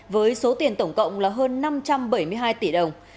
với số tiền tổng cộng là hơn năm trăm bảy mươi hai tỷ đồng